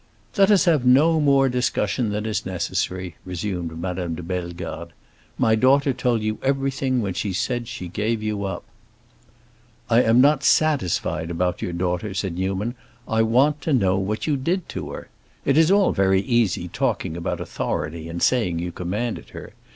"Let us have no more discussion than is necessary," resumed Madame de Bellegarde. "My daughter told you everything when she said she gave you up." "I am not satisfied about your daughter," said Newman; "I want to know what you did to her. It is all very easy talking about authority and saying you commanded her.